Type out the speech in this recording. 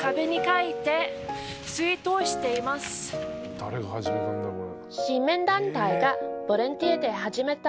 誰が始めたんだろう。